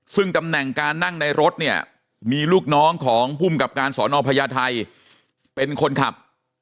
ซึ่งตำแหน่งการนั่งในรถเนี่ยมีลูกน้องของภูมิกับการสอนอพญาไทยเป็นคนขับ